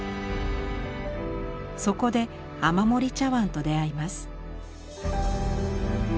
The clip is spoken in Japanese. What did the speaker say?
そこで雨漏茶碗と出会います。